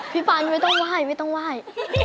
พี่ปั่นไม่ต้องว่าย